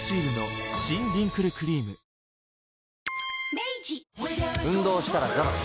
明治運動したらザバス。